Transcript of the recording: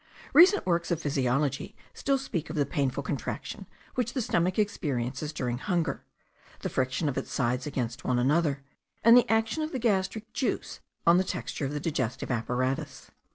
Recent works of physiology still speak of the painful contraction which the stomach experiences during hunger, the friction of its sides against one another, and the action of the gastric juice on the texture of the digestive apparatus.